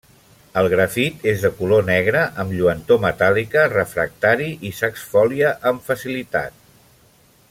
El grafit és de color negre amb lluentor metàl·lica, refractari i s'exfolia amb facilitat.